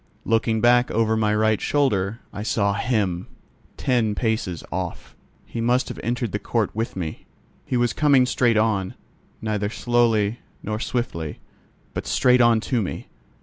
Looking back over my right shoulder, I saw him, ten paces off. He must have entered the court with me. He was coming straight on, neither slowly, nor swiftly, but straight on to me.